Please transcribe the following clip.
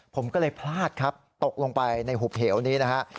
ผมก็เลยพลาดครับตกลงไปในหุบเหวนี้นะฮะ